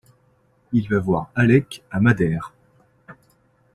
Il va voir Alec à Madère.